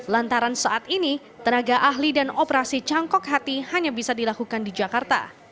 lantaran saat ini tenaga ahli dan operasi cangkok hati hanya bisa dilakukan di jakarta